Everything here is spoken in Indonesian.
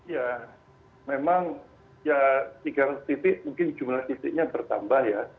ya memang ya tiga ratus titik mungkin jumlah titiknya bertambah ya